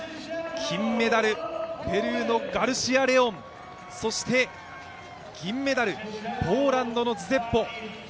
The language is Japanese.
金メダル、ペルーのガルシア・レオン、そして銀メダル、ポーランドのズジェブウォ。